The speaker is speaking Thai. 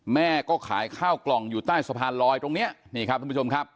แม่ก็ขายข้าวกล่องอยู่ใต้สะพานลอยตรงเนี้ยนี่ครับทุกผู้ชมครับ